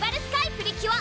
プリキュア